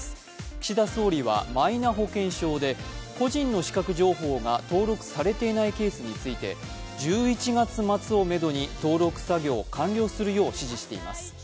岸田総理はマイナ保険証で個人の資格情報が登録されていないケースについて、１１月末をめどに、登録作業を完了するよう指示しています。